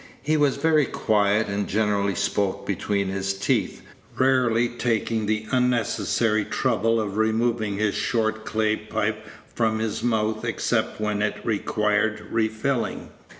He was very quiet, and generally spoke between his teeth, rarely taking the unnecessary trouble of removing his short clay pipe from his mouth except when it required refilling.